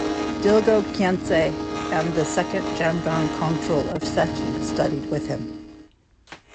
Dilgo Khyentse and the second Jamgon Kongtrul of Sechen studied with him.